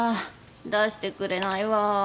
出してくれないわ。